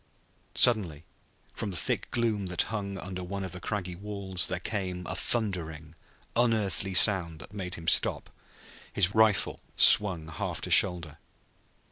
Suddenly, from the thick gloom that hung under one of the cragged walls, there came a thundering, unearthly sound that made him stop, his rifle swung half to shoulder.